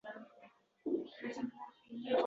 O’zbek ovozini